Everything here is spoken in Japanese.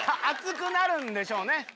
あつくなるんでしょうね。